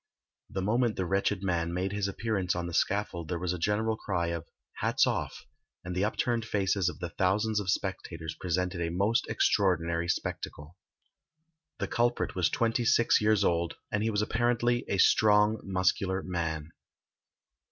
The moment the wretched man made his appearance on the scaffold there was a general cry of "hats off," and the upturned faces of the thousands of spectators presented a most extraordinary spectacle. The culprit was twenty six years old, and he was apparently a strong muscular man.